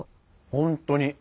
本当に。